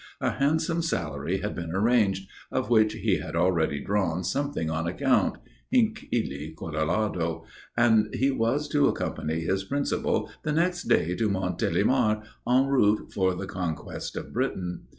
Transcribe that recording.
A handsome salary had been arranged, of which he had already drawn something on account hinc ille Colorado and he was to accompany his principal the next day to Montélimar, en route for the conquest of Britain.